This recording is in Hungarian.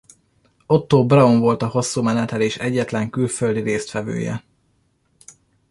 Otto Braun volt a hosszú menetelés egyetlen külföldi résztvevője.